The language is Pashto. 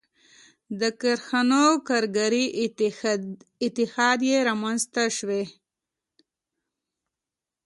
• د کارخانو کارګري اتحادیې رامنځته شوې.